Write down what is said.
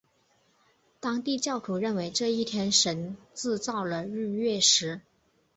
当地教徒认为这一天神制造了日月食。